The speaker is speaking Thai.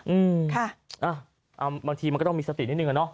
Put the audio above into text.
อืมค่ะบางทีมันก็ต้องมีสตินิดนึงอะเนาะ